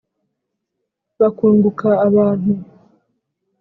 bakunguka abantu.